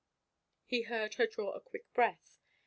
He heard her draw a quick breath.